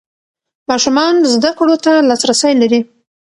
ماشومان زده کړو ته لاسرسی لري.